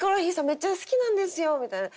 めっちゃ好きなんですよ」みたいな。